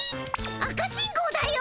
赤信号だよ。